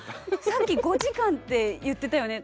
あさっき５時間って言ってたよね。